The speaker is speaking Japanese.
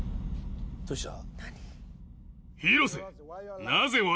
どうした？